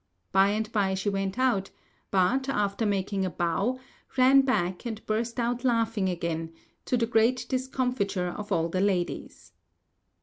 By and by she went out; but, after making a bow, ran back and burst out laughing again to the great discomfiture of all the ladies.